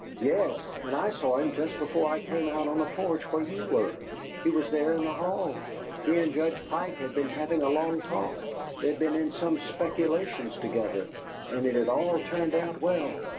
"Yes, and I saw him just before I came out on the porch where you were. He was there in the hall; he and Judge Pike had been having a long talk; they'd been in some speculations together, and it had all turned out well.